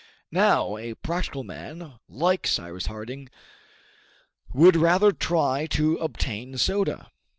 Now, a practical man, like Cyrus Harding, would rather try to obtain soda.